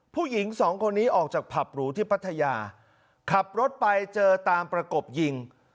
ผู้หญิงสองคนนี้ออกจากผับหรูที่พัทยาขับรถไปเจอตามประกบยิง